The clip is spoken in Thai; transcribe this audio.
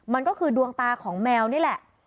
มันก็คือดวงตาของแมวนี่แหละ